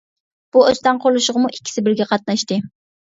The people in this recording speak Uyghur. بۇ ئۆستەڭ قۇرۇلۇشىغىمۇ ئىككىسى بىرگە قاتناشتى.